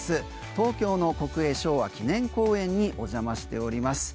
東京の国営昭和記念公園にお邪魔しております。